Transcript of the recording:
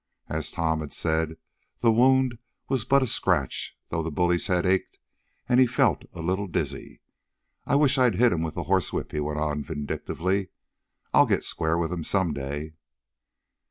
As Tom had said, the wound was but a scratch, though the bully's head ached, and he felt a little dizzy. "I wish I'd hit him with the horsewhip," he went on, vindictively. "I'll get square with him some day."